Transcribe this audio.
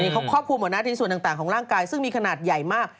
เขาควบคุมกับหน้าที่ส่วนต่างของร่างกายซึ่งมีขนาดใหญ่มาก